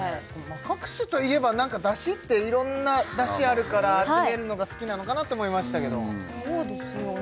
各種といえば出汁っていろんな出汁あるから集めるのが好きなのかなと思いましたけどそうですよね